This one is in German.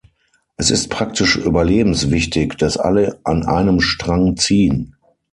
Es ist praktisch überlebenswichtig, dass alle an einem Strang ziehen.